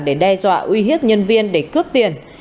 để đe dọa uy hiếp nhân viên để cướp tiền